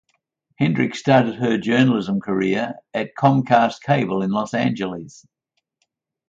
Hendricks started her journalism career at Comcast Cable in Los Angeles.